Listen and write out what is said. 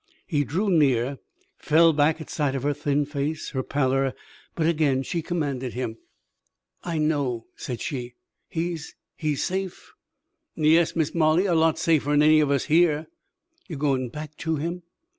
He drew near, fell back at sight of her thin face, her pallor; but again she commanded him. "I know," said she. "He's he's safe?" "Yes, Miss Molly, a lot safer'n any of us here." "You're going back to him?"